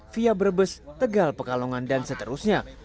via brebes tegal pekalongan dan seterusnya